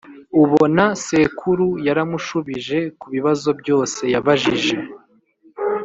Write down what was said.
Ubona sekuru yaramushubije ku bibazo byose yabajije